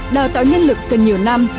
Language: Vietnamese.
đào tạo nhân lực cần nhiều năm